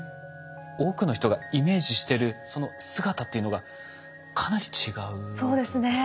多くの人がイメージしてるその姿というのがかなり違うということですね。